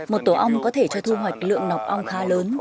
một tổ ong có thể cho thu hoạch lượng nọc ong khá lớn